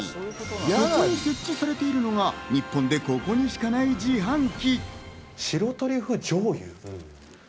そこに設置されているのが、日本で、ここにしかない自販機。